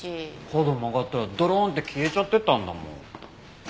角曲がったらドロンって消えちゃってたんだもん。